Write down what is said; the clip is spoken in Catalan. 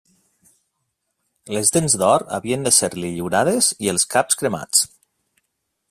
Les dents d'or havien de ser-li lliurades i els caps cremats.